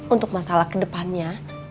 untuk masalah kedepannya